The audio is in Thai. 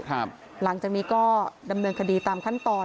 หลังจากนี้ก็ดำเนินคดีตามขั้นตอน